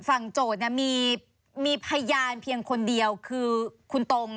โจทย์มีพยานเพียงคนเดียวคือคุณตรง